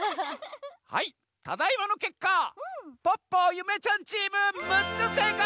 はいただいまのけっかポッポゆめちゃんチーム６つせいかい！